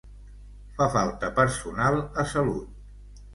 Fa falta personal a Salut